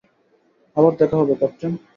আবার দেখা হবে, ক্যাপ্টেন।